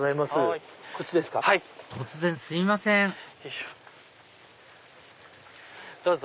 突然すいませんどうぞ。